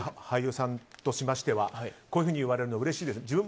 俳優さんとしましてはこういうふうに言われるのはうれしいですかね。